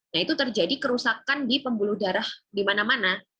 nah itu terjadi kerusakan di pembuluh darah di mana mana